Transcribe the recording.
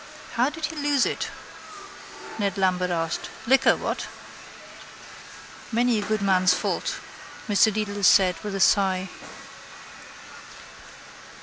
—How did he lose it? Ned Lambert asked. Liquor, what? —Many a good man's fault, Mr Dedalus said with a sigh.